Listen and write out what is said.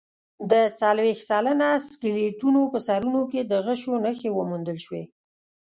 د څلوېښت سلنه سکلیټونو په سرونو کې د غشو نښې وموندل شوې.